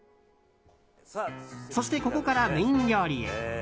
そして、ここからメイン料理へ。